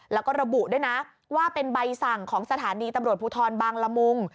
แล้วก็ระบุด้วยนะว่าเป็นใบสั่งของสถานีตำรวจภูทรบางละมุง